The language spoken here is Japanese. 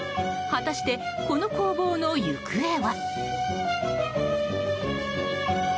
果たして、この攻防の行方は。